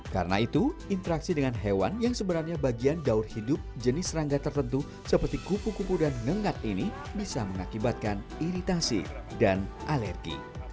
karena itu interaksi dengan hewan yang sebenarnya bagian daur hidup jenis serangga tertentu seperti kupu kupu dan ngengat ini bisa mengakibatkan iritasi dan alergi